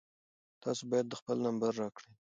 تاسو باید خپل نمبر راکړئ.